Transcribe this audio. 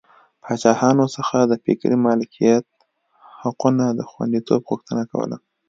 پاچاهانو څخه د فکري مالکیت حقونو د خوندیتوب غوښتنه کوله.